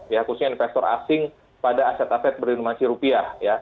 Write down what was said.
ya khususnya investor asing pada aset aset berdimasi rupiah